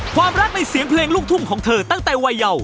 ความรักในเสียงเพลงลูกทุ่งของเธอตั้งแต่วัยเยาว